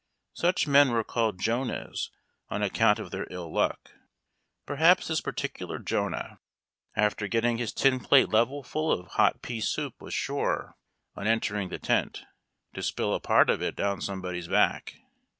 Such men were called "Jonahs" on account of their ill luck. Perhaps this particular Jonah after getting 92 HARD TACK AND COFFEE. his tin plate level full of hot pea soup was sure, on entering the tent, to spill a part of it down somebody's back.